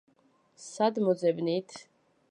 სად მოძებნით?